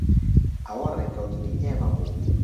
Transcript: ئەوە ڕێککەوتنی ئێمە بوو.